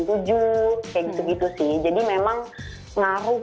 kayak gitu gitu sih jadi memang ngaruh